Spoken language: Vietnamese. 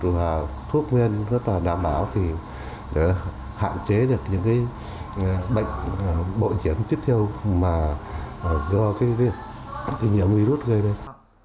và thuốc nguyên rất là đảm bảo để hạn chế được những bệnh bội nhiễm tiếp theo do nhiễm virus gây đến